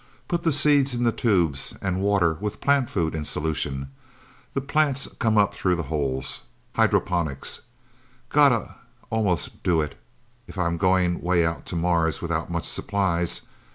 Put the seeds in the tubes, and water with plant food in solution. The plants come up through the holes. Hydroponics. Gotta almost do it, if I'm going way out to Mars without much supplies.